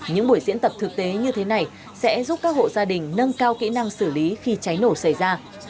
những buổi diễn tập thực tế như thế này sẽ giúp các hộ gia đình nâng cao kỹ năng xử lý khi cháy nổ xảy ra